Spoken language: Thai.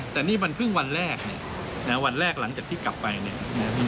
แต่นี่มันเพิ่งวันแรกเนี่ยนะฮะวันแรกหลังจากที่กลับไปเนี่ย